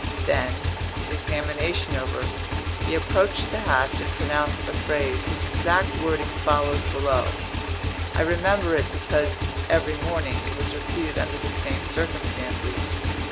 Then, his examination over, he approached the hatch and pronounced a phrase whose exact wording follows below. I remember it because, every morning, it was repeated under the same circumstances.